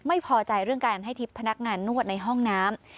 ไม่พอใจเรื่องการให้ทิพย์พนักงานนวดในห้องน้ำ